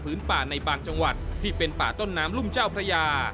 ป่าในบางจังหวัดที่เป็นป่าต้นน้ำรุ่มเจ้าพระยา